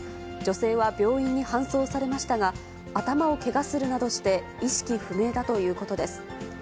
女性は病院に搬送されましたが、頭をけがするなどして意識不明だということです。